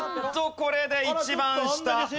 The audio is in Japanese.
これで一番下。